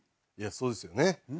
いやそうですよね。